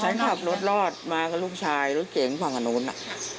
ฉันขับรถรอดมากับลูกชายลูกเจ๋งใหญ่ข้างนั่นน่ะ